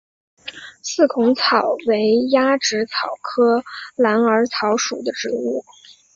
四孔草为鸭跖草科蓝耳草属的植物。